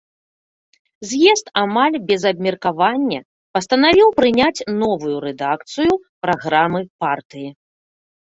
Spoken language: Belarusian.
З'езд амаль без абмеркавання пастанавіў прыняць новую рэдакцыю праграмы партыі.